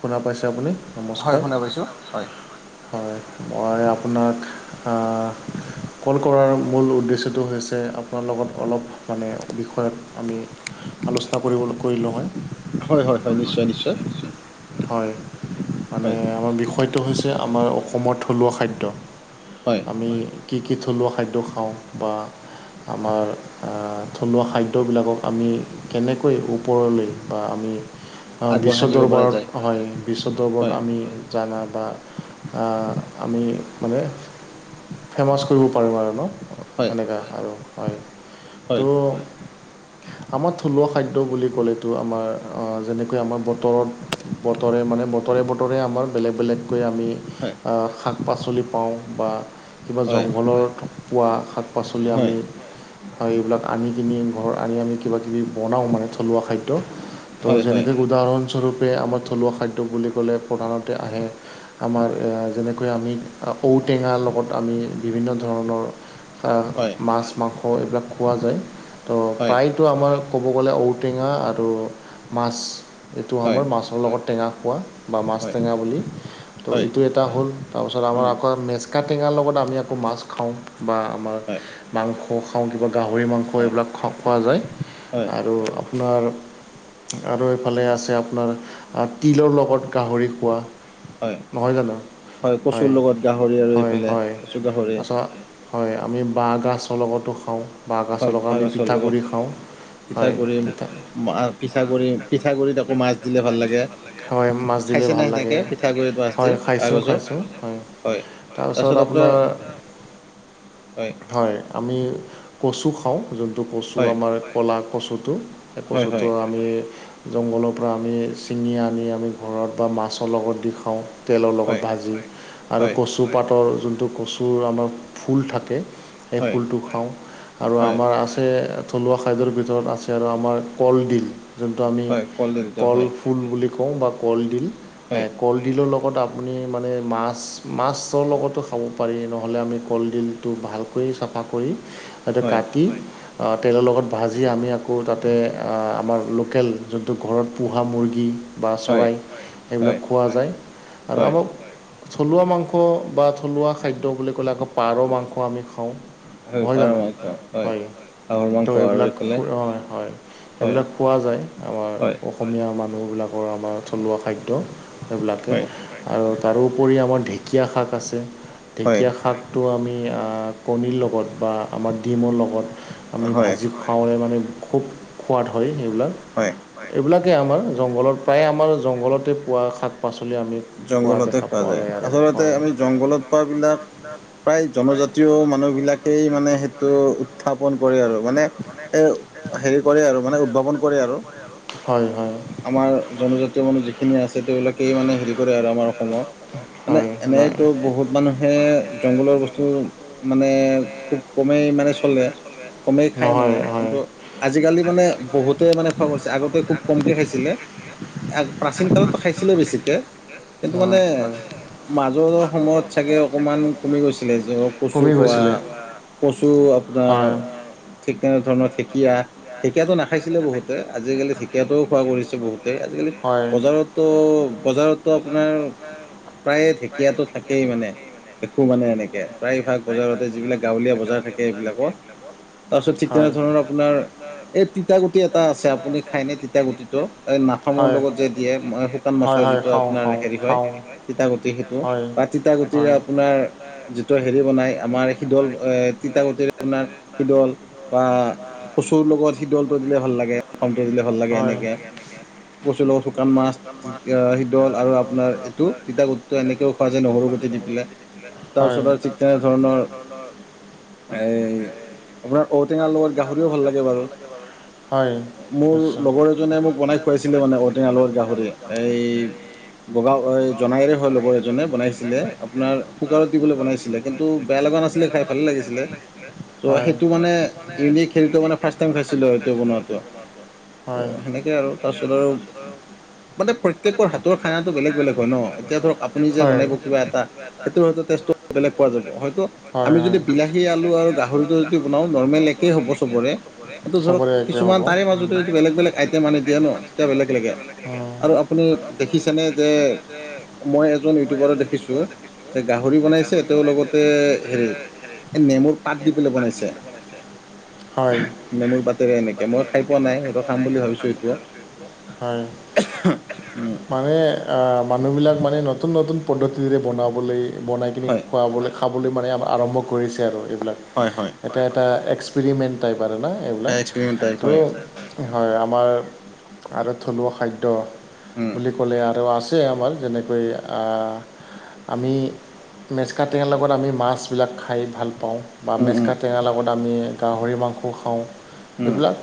শুনা পাইছে আপুনি নমস্কাৰ হয় শুনা পাইছোঁ। হয় মই আপোনাক আ ক'ল কৰাৰ মূল উদ্দেশ্যটো হৈছে আপোনাৰ লগত অলপ মানে বিষয়ত আমি আলোচনা কৰিবলৈ কৰিলো মই- হয় হয় পা নিশ্চয় নিশ্চয়। হয় মানে আমাৰ বিষয়টো হৈছে আমাৰ অসমৰ থলুৱা খাদ্য। আমি কি কি থলুৱা খাদ্য খাওঁ বা- আমাৰ আ থলুৱা খাদ্যবিলাকক আমি- কেনেকৈ ওপৰলৈ বা আমি অ, বিশ্ব দৰবাৰত হয় বিশ্ব দৰবত আমি উম, জানা বা আ আমি মানে ফেমাছ কৰিব পাৰিম আৰু ন' এনেকা আৰু হয় ত' আমাৰ থলুৱা খাদ্য বুলি ক'লেতো আমাৰ যেনেকৈ আ আমাৰ বতৰ বতৰে মানে বতৰে- বতৰে আমাৰ বেলেগ বেলেগকৈ আমি আ শাক- পাচলি পাওঁ বা কিবা জংঘলত পোৱা শাক -পাচলি আমি হয়, এইবিলাক আনি কিনি ঘৰত আনি আমি কিবা -কিবি বনাওঁ মানে থলুৱা খাদ্য। ত' যেনেকে উদাহৰণস্বৰূপে আমাৰ থলুৱা খাদ্য বুলি ক'লে প্ৰধানতে আহে আমাৰ যেনেকৈ আমি ঔটেঙাৰ লগত আমি বিভিন্ন ধৰণৰ- শাক মাছ মাংস এইবিলাক খোৱা যায়। ত' প্ৰায়তো আমাৰ ক'ব গ'লে ঔটেঙা আৰু মাছ এইটো আমাৰ- মাছৰ লগত টেঙা খোৱা বা মাছ টেঙা বুলি- ত' এইটো এটা হ'ল তাৰপাছত আমাৰ আকৌ মেচকা টেঙাৰ লগত আমি আকৌ মাছ খাওঁ বা আমাৰ- মাংস খাওঁ কিবা গাহৰি মাংস এইবিলাক খো খোৱা যায়। আৰু আপোনাৰ আৰু এইফালে আছে আপোনাৰ- অ তিলৰ লগত গাহৰি খোৱা নহয় জানো- হয় কচুৰ লগত গাহৰি আৰু এইফালে কচু গাহৰি- হয় আমি বাঁহগাজৰ লগতো খাওঁ। বাহ গাজৰ লগত আমি পিতাগুড়ি খাওঁ হয় পিতা মা আ পিছাগুড়ি পিছাগুড়িত আকৌ মাছ দিলে ভাল লাগে। হয় মাছ দিলে ভাল লাগে হয় খাইছোঁ খাইছোঁ হয়। তা-ছত আপোনাৰ হয়- আমি কচু খাওঁ যোনটো কচু আমাৰ ক'লা কচুটো- এই কচুটো আমি জংঘলৰ পৰা আমি ছিঙি আন ঙি আনি ঘৰত বা মাছৰ লগত দি খাওঁ তেলৰ লগত ভাজি। আৰু কচু পাতৰ যোনটো কচুৰ আমাৰ ফুল থাকে সেই ফুলটো খাওঁ। আৰু আমাৰ আছে থলুৱা খাদ্যৰ ভিতৰত আছে আৰু আমাৰ কলডিল যোনটো আমি- কলডিল টো হয়। বা কলডিল হয় কল কলডিলৰ লগত আপুনি মানে মাছ মাছৰ লগতো খাব পাৰি নহ'লে আমি কলডিলটো ভাল- কৰি চাফা কৰি তাতে কাটি- তেলৰ লগত ভাজি আমি আকৌ তাতে আমাৰ লোকেল যোনটো ঘৰত পোহা মুৰ্গী- বা চৰাই এইবিলাক খোৱা যায় আৰু আমাক- থলুৱা মাংস বা থলুৱা খাদ্য বুলি ক'লে আকৌ পাৰ মাংস আমি খাওঁ। নহয় জানো হয় তো এইবিলাক অ হয়। সেইবিলাক খোৱা যায় আমাৰ অসমীয়া মানুহবিলাক- ধৰা আমাৰ থলুৱা খাদ্য সেইবিলাকে। আৰু তাৰোপৰি আমাৰ ঢেঁকীয়া শাক আছে। ঢেঁকীয়া শাকটো আমি আ কণীৰ লগত বা আমাৰ ডিমৰ লগত- আমি ভাজি খাওঁ মানে খুব সোৱাদ হয় সেইবিলাক। এইবিলাকেই আমাৰ জংঘলত পায় আমাৰ জংঘলতে পোৱা শাক পাচলি আমি- জংগলতে পোৱা যায় আচলতে আমি জংগলত- প্ৰায় বিলাক প্ৰায় জনজাতীয় মানুহ বিলাকেই মানে সেইটো উত্থাপন কৰে আৰু। মানে এ হেৰি কৰে আৰু মানে উদ্ভাৱন কৰে আৰু। আমাৰ জনজাতীয় মানুহ যিখিনি আছে তেওঁবিলাকেই মানে হেৰি কৰে আৰু আমাৰ অসমৰ। মানে এনেইতো বহুত মানুহে জংগলৰ বস্তু। মানে খুব কমেই মানে চলে কমেই খায় মানে কিন্তু। আজিকালি মানে বহুতে মানে খোৱা কৰিছে আগতে খুব কমকে খাইছিলে। এক প্ৰাচীন কালতো খাইছিলে বেছিকে। অ হয়। মাজৰ সময়ত চাগে অকমান কমি গৈছিলে ধৰক কচু খোৱা। কচু আপোনাৰ ঠিক তেনে ধৰণৰ ঢেকীয়া ঢেকীয়াটো নাখাইছিলে বহুত- তে আজিকালি ঢেকীয়াটোও খোৱা কৰিছে বহুতেই আজিকালি বজাৰতো বজাৰত- তো আপোনাৰ প্ৰায়ে ঢেকীয়াটো থাকেই মানে দেখো মানে এনেকে- প্ৰায় ভাগ বজাৰতে যিবিলাক গাঁৱলীয়া বজাৰ থাকে এইবিলাকত তাৰপিছত ঠিক তেনেধৰণৰ আপোনাৰ। এই তিতা গুটি এটা আছে আপুনি খাইনে তিতা গুটিটো এই নাফামৰ লগত যে দিয়ে মই হো শুকান মাছৰ যিটো আপোনাৰ হেৰি হয়, তিতা গুটি সেইটো বা তিতা গুটিৰে আপোনাৰ। যিটো হেৰি বনায় আমাৰ শিদল এ তিতাগুটিৰ আপোনাৰ শিদল বা। কচুৰ লগত শীডলটো দিলে ভাল লাগে কমকে দিলে ভাল লাগে এনেকে। কচুৰ লগত শুকান মাছ ইদ এ শিদ আ শিদল আৰু আপোনাৰ এইটো তিতাগুটিটো এনেকেও খোৱা লগৰো দিছিলে হয়। শিকাৰ ধৰণৰ। এই। আপোনাৰ ঔটেঙাৰ লগত গাহৰিও ভাল লাগে বাৰু মোৰ লগৰ এজনে মোক বনাই। খুৱাইছিলে মানে ঔটেঙাৰ লগত গাহৰিয়ে এই। বগাওঁ এ জনাইৰে হয়, লগৰ এজনে বনাইছিলে আপোনাৰ কুকাৰত দিপেলে বনাইছি কিন্তু বেয়া লগা নাছিলে খাই ভালে লাগিছিলে। ত' সেইটো মানে ইউনিক হেটো মানে। ফাৰ্ষ্ট টাইম খাইছিলোঁ এইটো বনোৱাটো ত' সেনেকে আৰু তা-ছত আৰু। মানে প্ৰত্যেকৰ হাতৰ। খানাটো বেলেগ বেলেগ হয় ন এতিয়া ধৰক আপুনি যে বনাব কিবা এটা সেইটোৰ হয়টো তেষ্টটো। বেলেগ পোৱা যাব হয়তো আমি যদি বিলাহী আলু আৰু গাহৰিটো যদি বনাওঁ নৰ্মেল একেই হ'ব চবৰে। এইটো ধৰক কিছুমান তাৰে মাজতে বেলেগ বেলেগ আইটেম আনি দিয়ে ন তেতিয়া বেলেগ লাগে আৰু আপুনি। দেখিছেনে যে মই এজন ইউটিউবাৰ দেখিছো যে গাহৰি। গাহৰি বনাইছে তেওঁ লগতে হেৰি এই নেমু পাত দি কিনে বনাইছে। হয়, নেমু পাতেৰে এনেকে মই খাই পোৱা নাই মই খাম বুলি ভাবিছো হয়, মানে। অ মানুহবিলাক মানে নতুন নতুন পদ্ধতিৰে বনাবলে বনাই কিনি খুৱাবলে। খাবলৈ মানে আৰম্ভ কৰিছে আৰু এইবিলাক এটা এটা এক্স এক্সপেৰিমেণ্ট টাইপ আৰু না এইবিলাক ত'। হয়, আমাৰ আৰু থলুৱা খাদ্য বুলি। বুলি আৰু আছে আমাৰ যেনেকৈ আ আমি। মেচকা টেঙাৰ লগত আমি মাছবিলাক খাই ভাল পাওঁ বা মেচকা টেঙাৰ লগত আমি। গাহৰি মাংস খাওঁ সেবিলাক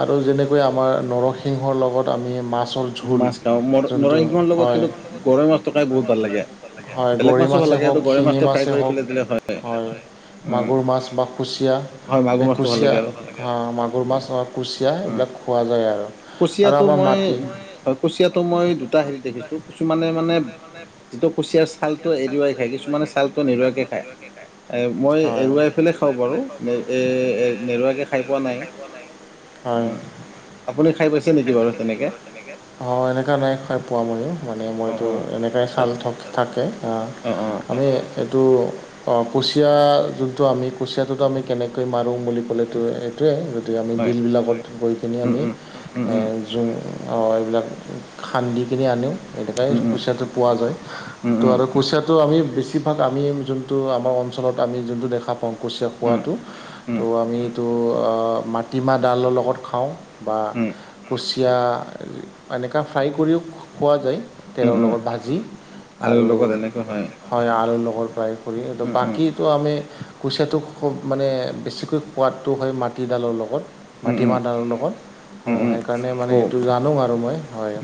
আৰু যেনে এ আমাৰ নৰসিংহ লগত আমি মাছ মাছ খাওঁ নৰ নৰসিংহৰ লগত কিন্তু গৰৈ মাছটো খাই বহুত ভাল লাগে। হয়, গৰৈ মাছে হওক শিঙি মাছেই হওক। হয়, মাগুৰ মাছ বা কুচিয়া এই কুচিয়া। অ মাগুৰ মাছ আ কুচিয়া এইবিলাক খোৱা যায় আৰু। কুচিয়াটো মই হয় কুচিয়াটো মই দুটা হেৰিত দেখিছো কিছুমানে মানে। যিটো কুচিয়াৰ ছাল টো এৰুৱাই খায় কিছুমানে ছা ছালটো নেৰুৱাকে খায় এ মই এৰুৱাই পেলাই খাও বাৰোঁ নে এ নেৰুৱাকে খা নেৰুৱাকে খাই পোৱা নাই অ আপুনি খাই পাইছে নিকি বাৰু তেনেকে। অহঁ এনেকা নাই। খাই পোৱা নাই মানে মইতো এনেকাই ছাল থাক থাকে অ আমি। সেইটো। অ কুচিয়া যোনটো আমি কুচিয়াটোত আমি কেনেকৈ মাৰো বুলি ক'লেতো। সেটোৱে গতিকে আমি বিলবিলাকত গৈ কিনে আমি আ জোন এইবিলাক খান্দি কিনে আনে এনেকুৱাই কুচিয়াটো পোৱা যায়। তো আৰু কুচিয়াটো আমি বেছিভাগ আমি যোনটো আমাৰ অঞ্চলত আমি যোনটো দেখা পাওঁ। কুচীয়া খোৱাটো ত' আমিটো আ মাটিমাহ ডালৰ লগত খাওঁ। বা কুচিয়া এনেকা ফ্ৰাই কৰিও খোৱা যায়। তেলৰ লগত ভাজি আৰু [unintelligible] হয় আলুৰ লগত ফ্ৰাই কৰি এইটো বাকী তো আমি কুচিয়াটো খুব মানে বেছিকৈ সোৱাদটো হয় মাটিডালৰ লগত মাটিমাহ দাইলৰ লগত অঁ সেইকাৰণে মানে এইটো জানো আৰু মই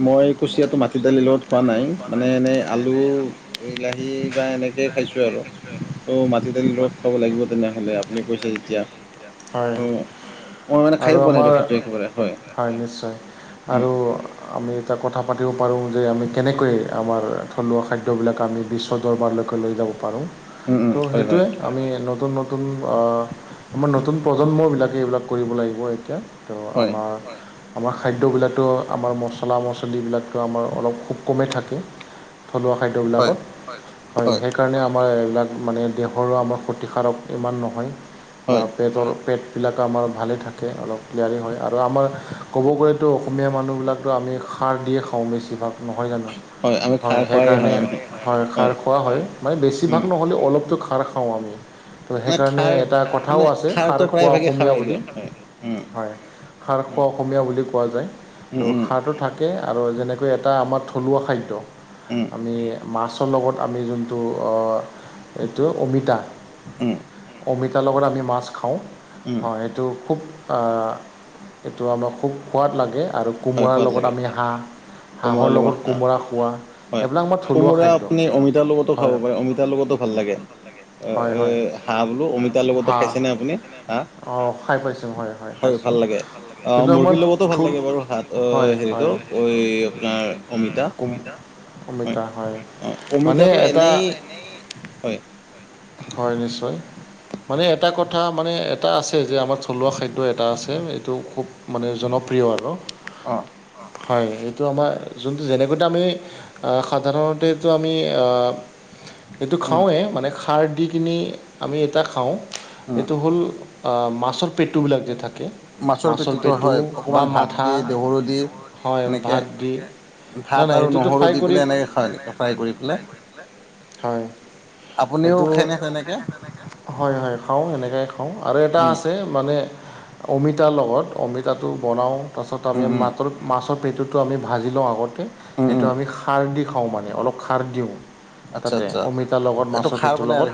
মই কুচিয়াটো মাটি দালিৰ লগত খোৱা নাই মানে এনেই আলু বিলাহী বা এনেকে খাইছো আৰু ত মাত মাটি'দালিৰ লগত খাব লাগিব তেনেহ'লে আপুনি কৈছে যেতিয়া অ মই মানে খাই পোৱা নাই সেইটো একেবাৰে হয় হয় নিশ্চয় আৰু আমি এতিয়া কথা পাতিব পাৰোঁ যে আমি কেনেকৈ আমাৰ থলুৱা খাদ্যবিলাক আমি বিশ্ব দৰবাৰলৈকে লৈ যাব পাৰোঁ ত' সেইটোৱে আমি নতুন নতুন আ আমাৰ নতুন প্ৰজন্মবিলাকে এইবিলাক কৰিব লাগিব এতিয়া তো আমাৰ আমাৰ খাদ্যবিলাকতো আমাৰ মচলা মচলিবিলাকতো আমাৰ অলপ খুব কমেই থাকে থলুৱা খাদ্যবিলাকত হয় সেইকাৰণে আমাৰ এইবিলাক মানে দেহৰো আমাৰ ক্ষতিকাৰক ইমান নহয় বা পেটৰ পেটবিলাক আমাৰ ভালে থাকে অলপ ক্লিয়াৰী হয় আৰু আমাৰ ক'ব গ'লেতো অসমীয়া মানুহবিলাকতো আমি খাৰ দিয়ে খাওঁ বেছিভাগ নহয় জানো হয় সেইকাৰণে হয় খাৰ খোৱা হয় মানে বেছিভাগ নহ'লে অলপতো খাৰ খাওঁ আমি তো সেইকাৰণে এটা কথাও আছে খাৰ হয় খাৰ খোৱা অসমীয়া বুলি কোৱা যায় ত' খাৰটো থাকে আৰু যেনেকৈ এটা আমাৰ থলুৱা খাদ্য আমি মাছৰ লগত আমি যোনটো অ এইটো অমিতা অমিতাৰ লগত আমি মাছ খাওঁ সেইটো খুব আ এইটো আমাক খুব সোৱাদ লাগে আৰু কোমোৰাৰ লগত আমি হাঁহ কোমোৰাৰ লগত হাঁহ হয় কোমোৰা আপুনি অমিতাৰ লগতো খাব পাৰে অমিতাৰ লগতো ভাল লাগে এ এ হাঁহ বোলো অমিতাৰ লগতো খাইছেনে আপুনি হাঁহ হয় ভাল লাগে অ মুৰ্গী ল'গতো ভাল লাগে বাৰু অ হেৰিটো ঐ আপোনাৰ অমিতা উম উম অমিতাটো এনেই হয় নিশ্চয় মানে এটা কথা কথা মানে এটা আছে যে আমাৰ থলুৱা খাদ্য এটা আছে এইটো খুব মানে জনপ্ৰিয় আৰু অ হয় এইটো আমাৰ যোনটো যেনেকেটো আমি আ সাধাৰণতে এটো আমি আ এইটো খাওঁৱেই মানে খাৰ দি কিনি আমি এটা খাওঁ এইটো হ'ল আ মাছৰ পেটুবিলাক যে থাকে মাছৰ পেটোটো হয় অকণমান ভাত দি দেহৰু দি এনেকে ভাত আৰু নহৰু দি পেলাই এনেকে খায়নি ফা ফ্ৰাই কৰি পেলাই হয়। এইটো হয় হয় খাওঁ এনেকাই খাওঁ আৰু এটা আছে। মানে অমিতাৰ লগত অমিতাটো বনাওঁ তাৰপিছত আমি মাত্ৰ মাছত পেটুটো আমি ভাজি লওঁ আগতে সেইটো আমি খাৰ দি খাওঁ মানে, অলপ খাৰ দিওঁ। তাতে অমিতাৰ লগত মাছৰ পিট- টো লগত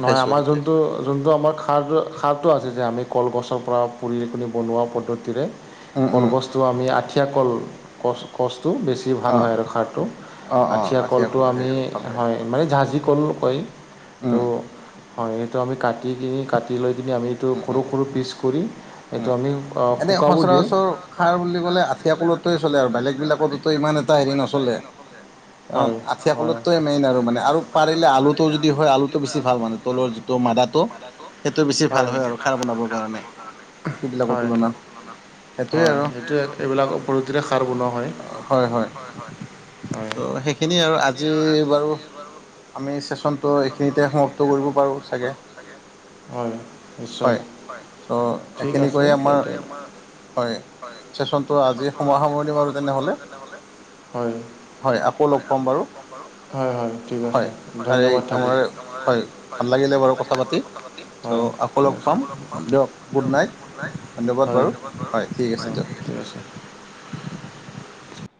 নহয় আমাৰ যোনটো যোনটো আমা- খাৰটো খাৰটো আছে যে আমি কলগছৰ পৰা পুৰি পিনি বনোৱা পদ্ধতিৰে কলগছটো আমি আঠিয়া কল গছ কচটো বেছি ভাল হয় আৰু খাৰটো আঠিয়া কলটো আমি হয় মানে জহাজি ক'ল কয় তো হয় সেইটো আমি কাটি কিনি কাটি লৈ কিনে আমি এইটো সৰু সৰু পিচ কৰি এইটো আমি এনেই সচৰাচৰ খাৰ বুলি ক'লে আঠিয়া কলটোৱে চলে আৰু বেলেগ বিলাকতোতো ইমান এটা হেৰি নচলে। আঠিয়া কলতটোৱে মেইন আৰু মানে আৰু পাৰিলে আলুটোও যদি হয় আলুটো বেছি ভাল মানে তলৰ যি- ত মাদাটো সেইটো বেছি ভাল হয় আৰু খাৰ বনাবৰ কাৰণে, বাকি বিলাকত হয় সেইটো এইবিলাকৰ পদ্ধতিৰে খাৰ বনোৱা হয়। হয় হয়। ত সেই। সেইখিনিয়ে আৰু আজি বাৰু। [unintelligible] অয় নিশ্চয়, হয়। ঠিক আছে সেইটাই হয় চেচনটো আজি সময় সামৰণি মাৰু নহ'লে, হয়। হয় আকৌ লগ পাম বাৰু। হয় তাৰে তোমাৰ হয় ভাল লাগিলে বাৰু কথা পাতি। চ আকৌ লগ পাম দিয়ক গুড নাইট ধন্যবাদ বাৰু হয় ঠিক আছে দিয়ক। ঠিক আছে।